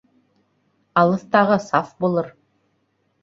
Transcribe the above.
Алыҫтағы саф булыр